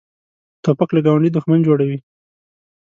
توپک له ګاونډي دښمن جوړوي.